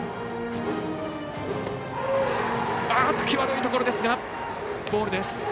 際どいところですがボールです。